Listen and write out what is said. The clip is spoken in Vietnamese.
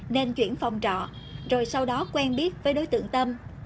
nên chuyển phòng trọ rồi sau đó quen biết với đối tượng tâm